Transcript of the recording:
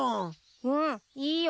うんいいよ。